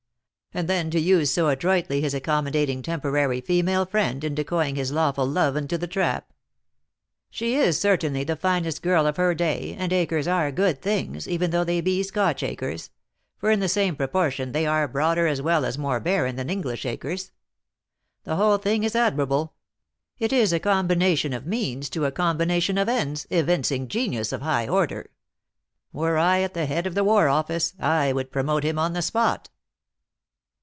And then to use so adroitly his accommodating temporary female friend in decoying his lawful love into the trap. She is certainly the finest girl of her day, and acres are good things, even though they be Scotch acres ; for in the same proportion they are broader as well as more barren than English acres. The whole thing is ad mirable. It is a combination of means to a combina tion of ends, evincing genius of high order. Were I at the head of the war office, I would promote him on the spot."